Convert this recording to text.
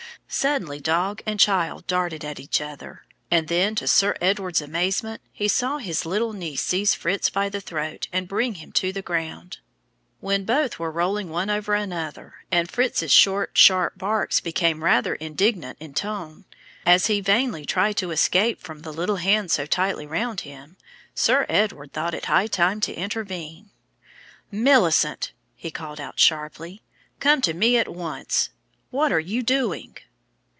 Suddenly dog and child darted at each other, and then, to Sir Edward's amazement, he saw his little niece seize Fritz by the throat and bring him to the ground. When both were rolling over one another, and Fritz's short, sharp barks became rather indignant in tone, as he vainly tried to escape from the little hands so tightly round him, Sir Edward thought it high time to interfere. "Millicent," he called out sharply, "come to me at once; what are you doing?"